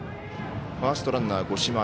ファーストランナー、五島。